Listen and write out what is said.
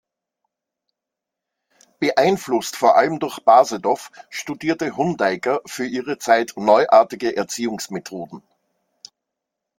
Beeinflusst vor allem durch Basedow studierte Hundeiker für ihre Zeit neuartige Erziehungsmethoden.